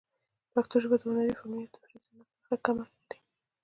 پښتو ژبه د هنري، فلمي، او تفریحي صنعت برخه کمه لري.